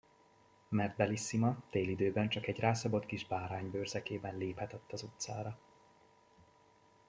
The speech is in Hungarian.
Mert Bellissima télidőben csak egy rászabott kis báránybőr zekében léphetett az utcára.